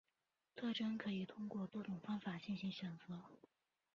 特征可以通过多种方法进行选择。